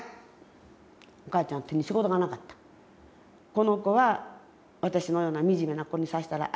この子は私のようなみじめな子にさせたらあかんと。